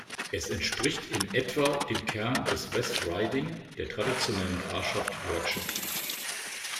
Es entspricht in etwa dem Kern des West Riding der traditionellen Grafschaft Yorkshire.